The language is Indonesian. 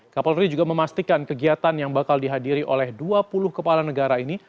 kapolri juga memastikan kegiatan yang bakal dihadiri oleh dua puluh kepala negara ini